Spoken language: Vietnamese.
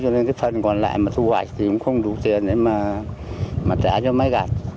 cho nên phần còn lại mà thu hoạch thì cũng không đủ tiền để trả cho máy gạt